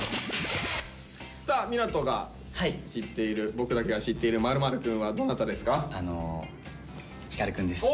さあ奏が知っている「僕だけが知ってる○○くん」はどなたですか？